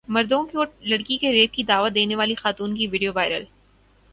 مردوں کو لڑکی کے ریپ کی دعوت دینے والی خاتون کی ویڈیو وائرل